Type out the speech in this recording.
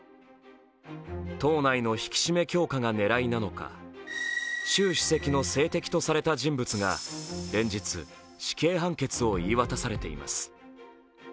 党内の引き締め強化が狙いなのか、習主席の政敵とされた人物が連日、死刑判決を言い渡されています。